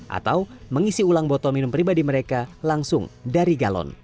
atau mengisi ulang botol minum pribadi mereka langsung dari galon